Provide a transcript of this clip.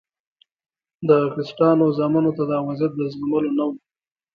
د کسټانو زامنو ته دا وضعیت د زغملو نه و.